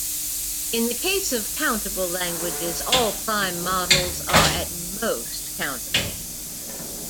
In the case of countable languages, all prime models are at most countable.